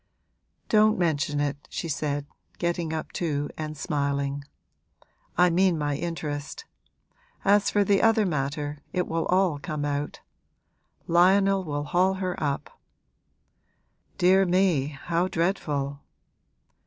'Don't mention it,' she said, getting up too and smiling. 'I mean my interest. As for the other matter, it will all come out. Lionel will haul her up.' 'Dear me, how dreadful!'